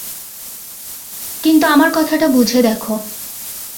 কিন্তু আমার কথাটা বুঝে দেখো।